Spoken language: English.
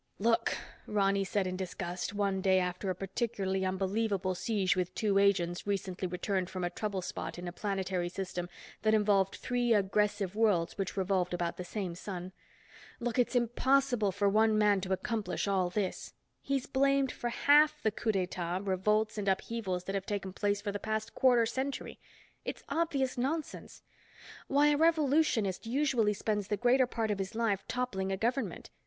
"Look," Ronny said in disgust one day after a particularly unbelievable siege with two agents recently returned from a trouble spot in a planetary system that involved three aggressive worlds which revolved about the same sun. "Look, it's impossible for one man to accomplish all this. He's blamed for half the coups d'états, revolts and upheavals that have taken place for the past quarter century. It's obvious nonsense. Why, a revolutionist usually spends the greater part of his life toppling a government.